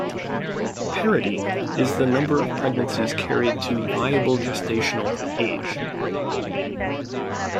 "Parity" is the number of pregnancies carried to viable gestational age.